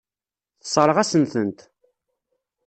Tessṛeɣ-asen-tent.